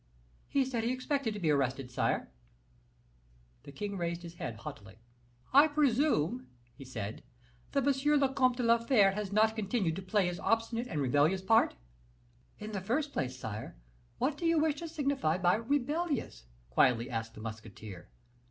"He said he expected to be arrested, sire." The king raised his head haughtily. "I presume," he said, "that M. le Comte de la Fere has not continued to play his obstinate and rebellious part." "In the first place, sire, what do you wish to signify by rebellious?" quietly asked the musketeer.